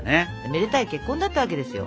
めでたい結婚だったわけですよ。